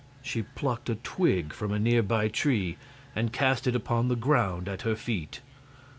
She plucked a twig from a near by tree and cast it upon the ground at her feet.